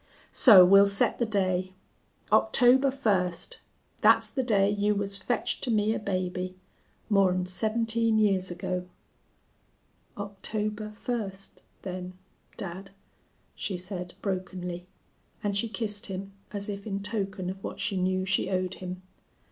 So we'll set the day. October first! Thet's the day you was fetched to me a baby more'n seventeen years ago." "October first then, dad," she said, brokenly, and she kissed him as if in token of what she knew she owed him.